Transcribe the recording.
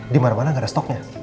dimana mana gak ada stoknya